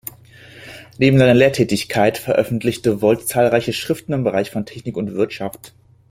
Neben seiner Lehrtätigkeit veröffentlichte Woldt zahlreiche Schriften im Bereich von Technik und Wirtschaft.